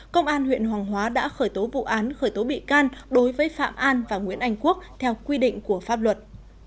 công an huyện hoàng hóa đã khởi tố vụ án khởi tố bị can đối với phạm an và nguyễn anh quốc theo quy định của pháp luật